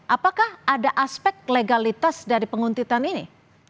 apakah ada aspek legalitas dari penguntitan ini